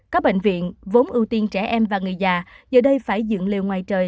các bệnh viện vốn ưu tiên trẻ em và người già giờ đây phải dựng liều ngoài trời